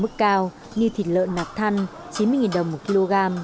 mức cao như thịt lợn nạc thăn chín mươi đồng một kg